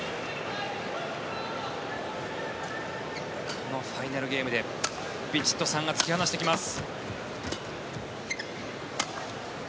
このファイナルゲームでヴィチットサーンが突き放してきます。